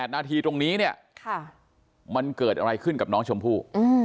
นาทีตรงนี้เนี่ยมันเกิดอะไรขึ้นกับน้องชมพู่